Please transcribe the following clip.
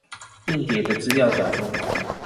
硬碟的資料夾中